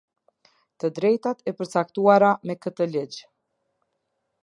Të drejtat e përcaktuara me këtë ligj.